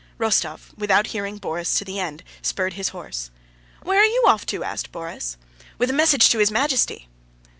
Rostóv without hearing Borís to the end spurred his horse. "Where are you off to?" asked Borís. "With a message to His Majesty."